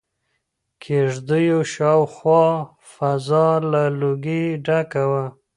د کيږديو شاوخوا فضا له لوګي ډکه وه.